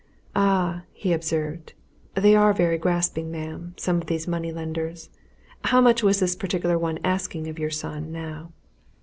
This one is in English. "Ah!" he observed, "they are very grasping, ma'am, some of these money lenders! How much was this particular one asking of your son, now?"